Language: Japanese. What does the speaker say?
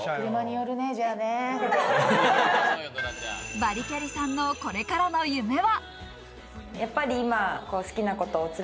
バリキャリさんのこれからの夢は？